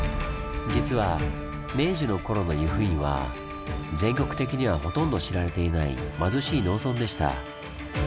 実は明治の頃の由布院は全国的にはほとんど知られていない貧しい農村でした。